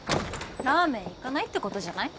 ラーメン行かないってことじゃない？